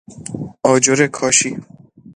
آجر کاشی